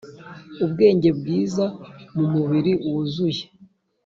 ubwenge bwiza mumubiri wuzuye.